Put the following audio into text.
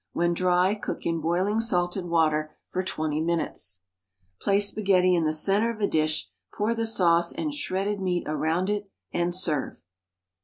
When dry cook in boiling salted water for twenty minutes. Place spaghetti in the center of a dish, pour the sauce and shredded meat around it, and serve.